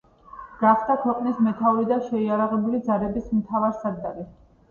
გახდა ქვეყნის მეთაური და შეიარაღებული ძალების მთავარსარდალი.